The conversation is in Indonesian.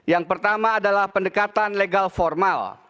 yang pertama adalah pendekatan legal formal